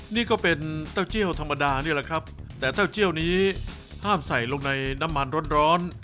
นี่ก็เป็นเต้าเจี่ยวธรรมดานี่แหละครับแต่เต้าเจี่ยวนี้ห้ามใส่ลงในน้ำมันร้อนร้อน